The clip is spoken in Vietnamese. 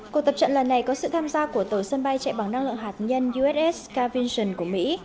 cuộc tập trận lần này có sự tham gia của tàu sân bay chạy bằng năng lượng hạt nhân uss scarvinson của mỹ